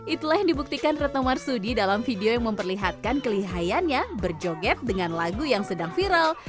itulah yang dibuktikan retno marsudi dalam video yang memperlihatkan kelihayanya berjoget dengan lagu yang sedang viral